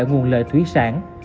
nguồn lợi thủy sản